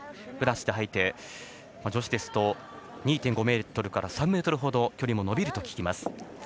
ブラシで掃いて、女子ですと２．５ｍから３ｍほど距離も伸びると聞きます。